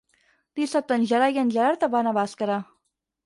Dissabte en Gerai i en Gerard van a Bàscara.